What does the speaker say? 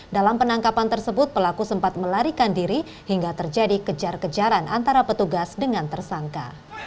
dalam penangkapan tersebut pelaku sempat melarikan diri hingga terjadi kejar kejaran antara petugas dengan tersangka